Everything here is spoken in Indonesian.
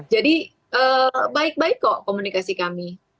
jadi baik baik kok komunikasi kami